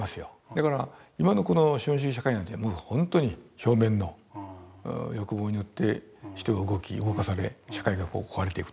だから今のこの資本主義社会なんていうものはほんとに表面の欲望によって人が動き動かされ社会が壊れていくと。